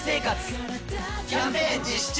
キャンペーン実施中！